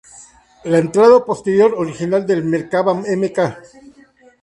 La entrada posterior original del Merkava Mk.